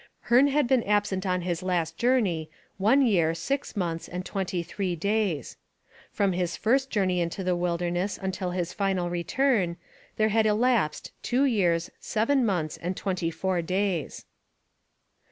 Hearne had been absent on his last journey one year, six months, and twenty three days. From his first journey into the wilderness until his final return, there had elapsed two years, seven months, and twenty four days.